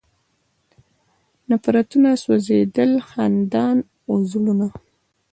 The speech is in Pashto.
نفرتونه سوځېدل، خندان و زړونه